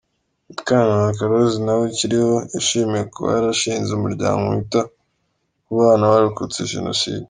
Mukankaka Rose nawe ukiriho, yashimiwe kuba yarashinze umuryango wita ku bana barokotse Jenoside.